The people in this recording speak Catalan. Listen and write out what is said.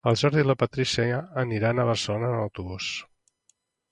El Jordi i la Patrícia aniran a Barcelona en autobús.